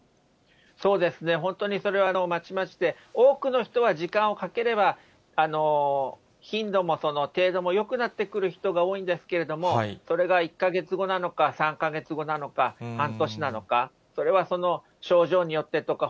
そうですね、本当にそれはまちまちで、多くの人は時間をかければ、頻度も程度もよくなってくる人が多いんですけれども、それが１か月後なのか、３か月後なのか、半年なのか、それはその症状によってとか、